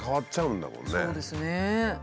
そうですね。